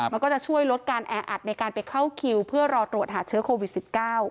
มันก็จะช่วยลดการแออัดในการไปเข้าคิวเพื่อรอตรวจหาเชื้อโควิด๑๙